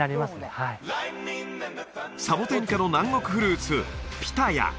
はいサボテン科の南国フルーツピタヤ